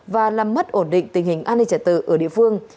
và làm mất ổn định tình hình an ninh trả tự ở địa phương